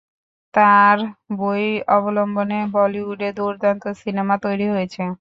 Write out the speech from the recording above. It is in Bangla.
তার বই অবলম্বনে বলিউডে দুর্দান্ত সিনেমা তৈরি হয়েছে।